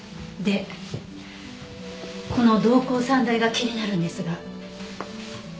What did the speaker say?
でこの瞳孔散大が気になるんですが。